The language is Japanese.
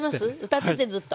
歌っててずっと。